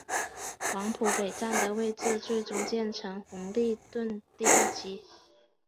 黄埔北站的位置最终建成红磡邨第二期。